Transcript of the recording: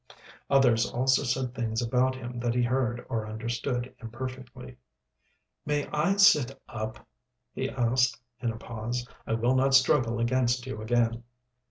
Others also said things about him that he heard or understood imperfectly. "May I sit up?" he asked, in a pause. "I will not struggle against you again."